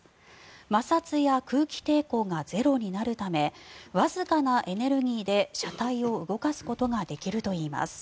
摩擦や空気抵抗がゼロになるためわずかなエネルギーで、車体を動かすことができるといいます。